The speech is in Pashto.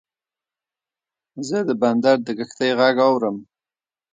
زه د بندر د کښتۍ غږ اورم.